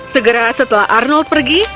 segera setelah arnold pergi